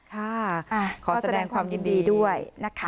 ขอแสดงความยินดีด้วยนะคะ